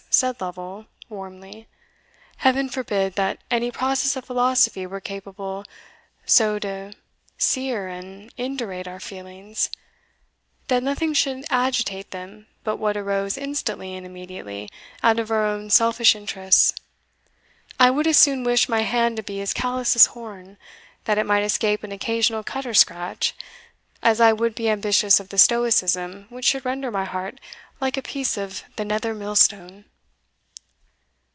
said Lovel, warmly "Heaven forbid that any process of philosophy were capable so to sear and indurate our feelings, that nothing should agitate them but what arose instantly and immediately out of our own selfish interests! I would as soon wish my hand to be as callous as horn, that it might escape an occasional cut or scratch, as I would be ambitious of the stoicism which should render my heart like a piece of the nether millstone."